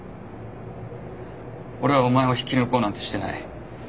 俺はお前を引き抜こうなんてしてない。